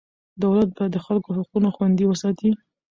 دولت باید د خلکو حقونه خوندي وساتي.